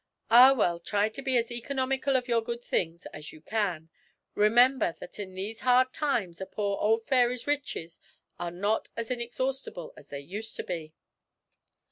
'Ah, well, try to be as economical of your good things as you can remember that in these hard times a poor old fairy's riches are not as inexhaustible as they used to be.'